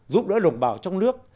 giúp đỡ đồng bào trong nước